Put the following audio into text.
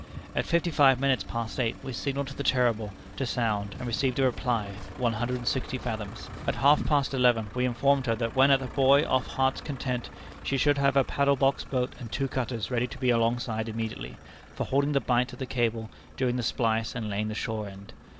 At fifty five minutes past eight we signalled to the Terrible to sound, and received a reply, one hundred and sixty fathoms. At half past eleven we informed her that when at the buoy off Heart's Content she should have her paddle box boat and two cutters ready to be alongside immediately, for holding the bight of the cable during the splice and laying the shore end.